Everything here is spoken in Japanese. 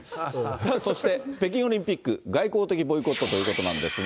そして、北京オリンピック、外交的ボイコットということなんですが。